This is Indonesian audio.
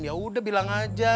yaudah bilang aja